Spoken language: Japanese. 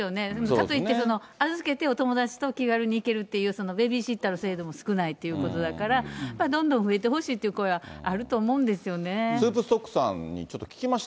かといって、預けてお友達と気軽に行けるっていうベビーシッターの制度も少ないということだから、やっぱりどんどん増えてほしいっていう声はスープストックさんに聞きま